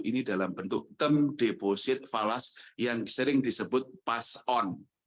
ini dalam bentuk term deposit falas yang sering disebut pas on